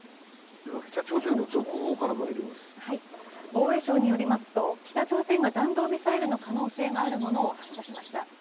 防衛省によりますと、北朝鮮が弾道ミサイルの可能性があるものを発射しました。